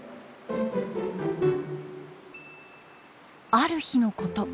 ある日のこと。